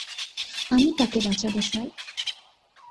আমি তাকে বাঁচাবো, স্যার।